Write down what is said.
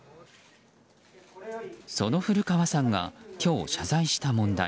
その古川さんが今日謝罪した問題。